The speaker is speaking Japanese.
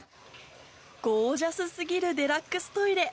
ゴージャスすぎるデラックストイレ。